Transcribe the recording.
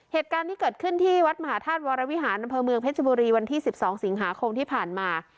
เหตุการณ์ที่เกิดขึ้นที่วัดมหาธาตุวรวิหารอำเภอเมืองเพชรบุรีวันที่๑๒สิงหาคมที่ผ่านมา